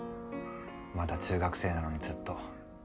まだ中学生なのにずっと。